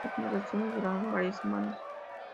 Las conversaciones duraron varias semanas.